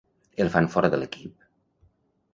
El fan fora de l'equip?